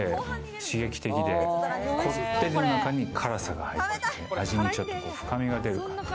刺激的でこってりの中に辛さが入って、味にちょっと深みが出る。